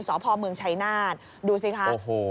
สพเมืองชัยนาฏดูสิคะ